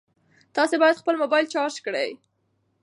تاسي باید خپل موبایل چارج کړئ.